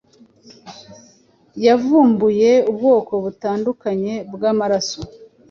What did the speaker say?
yavumbuye ubwoko butandukanye bw’amaraso